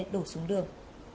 đổ xuống đường